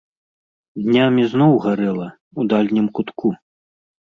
Днямі зноў гарэла, у дальнім кутку.